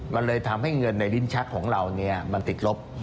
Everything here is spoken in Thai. มันเลยทำให้เงินในลิ้นชักของเรามันติดลบ